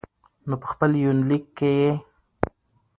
نو په خپل يونليک کې يې